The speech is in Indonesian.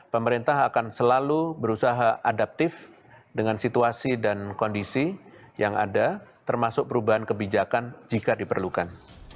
pemerintah akan selalu berusaha adaptif dengan situasi dan kondisi yang ada termasuk perubahan kebijakan jika diperlukan